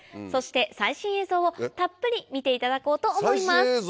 そして最新映像をたっぷり見ていただこうと思います。